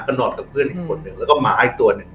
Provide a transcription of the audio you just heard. นอนกับเพื่อนอีกคนหนึ่งแล้วก็หมาอีกตัวหนึ่ง